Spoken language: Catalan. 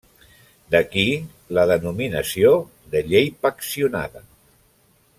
D'aquí la denominació de Llei Paccionada.